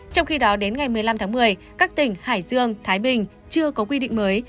trong khi đó đến ngày một mươi năm tháng một mươi các tỉnh hải dương thái bình chưa có quy định mới